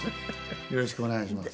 よろしくお願いします。